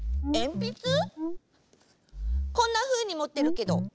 こんなふうにもってるけど。